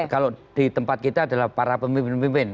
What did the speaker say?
kalau di tempat kita adalah para pemimpin pemimpin